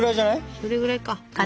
それぐらいか。